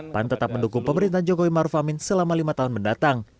pan tetap mendukung pemerintahan jokowi maruf amin selama lima tahun mendatang